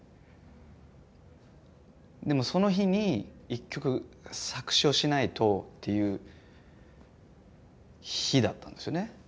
でもその日に１曲作詞をしないとっていう日だったんですよね。